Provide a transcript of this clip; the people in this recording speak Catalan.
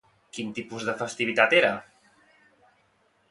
Quin tipus de festivitat era?